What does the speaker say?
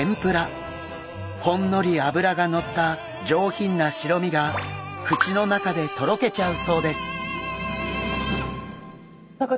ほんのり脂が乗った上品な白身が口の中でとろけちゃうそうです。